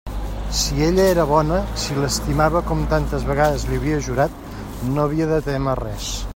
Si ella era bona, si l'estimava com tantes vegades li ho havia jurat, no havia de témer res.